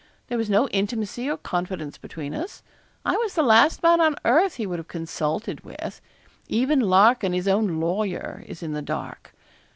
There was no intimacy or confidence between us. I was the last man on earth he would have consulted with. Even Larkin, his own lawyer, is in the dark.